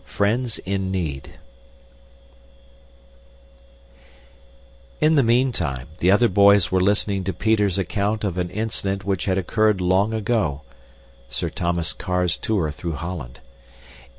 Friends in Need In the meantime, the other boys were listening to Peter's account of an incident which had occurred long ago *{Sir Thomas Carr's tour through Holland.